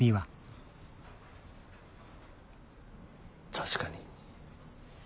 確かに。